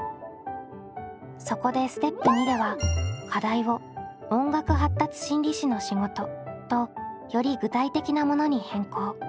そこでステップ②では課題を「音楽発達心理士の仕事」とより具体的なものに変更。